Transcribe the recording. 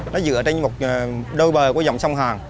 nó dựa trên một đôi bờ của dòng sông hàn